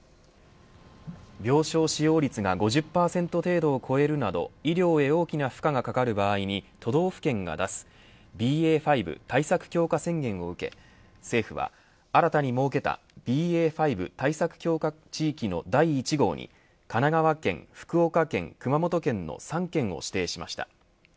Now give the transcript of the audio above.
病床使用率が５０％程度を超えるなどを医療へ大きな負荷がかかる場合に都道府県が出すＢＡ．５対策強化宣言を受け政府は、新たに設けたＢＡ．５対策強化地域の第１号に神奈川県、福岡県、熊本県の３県を指定しました。